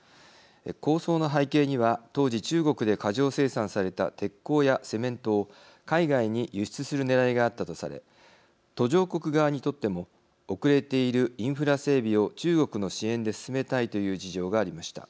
構想の背景には当時、中国で過剰生産された鉄鋼やセメントを海外に輸出するねらいがあったとされ途上国側にとっても遅れているインフラ整備を中国の支援で進めたいという事情がありました。